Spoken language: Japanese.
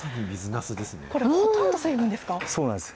これ、ほとんど水分ですか？